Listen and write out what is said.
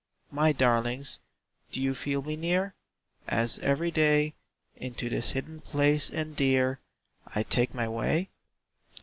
My darlings, do you feel me near, As every day Into this hidden place and dear I take my way?